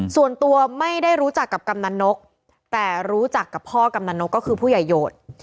ส่วนตัวไม่ได้รู้จักกับกำนันนกแต่รู้จักกับพ่อกำนันนกก็คือผู้ใหญ่โหด